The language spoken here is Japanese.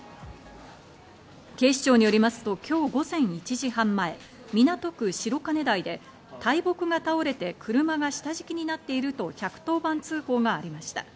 警視庁によりますと今日午前１時半前、港区白金台で大木が倒れて車が下敷きになっていると１１０番通報がありました。